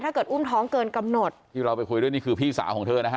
อุ้มท้องเกินกำหนดที่เราไปคุยด้วยนี่คือพี่สาวของเธอนะฮะ